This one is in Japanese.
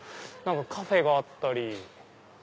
カフェがあったり。